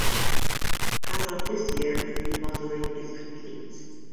As of this year, the remodeling is complete.